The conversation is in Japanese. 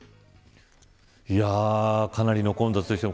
かなりの混雑でした。